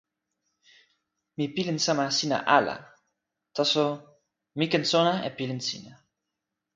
mi pilin sama sina ala, taso mi ken sona e pilin sina.